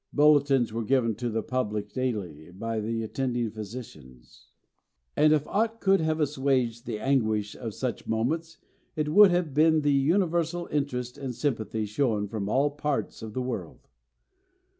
Bulletins were given to the public daily by the attending physicians; and if aught could have assuaged the anguish of such moments it would have been the universal interest and sympathy shown from all parts of the world.